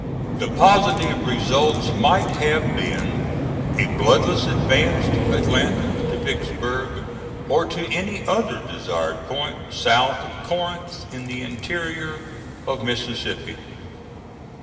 The positive results might have been: a bloodless advance to Atlanta, to Vicksburg, or to any other desired point south of Corinth in the interior of Mississippi.